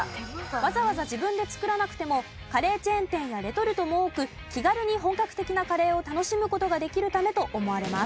わざわざ自分で作らなくてもカレーチェーン店やレトルトも多く気軽に本格的なカレーを楽しむ事ができるためと思われます。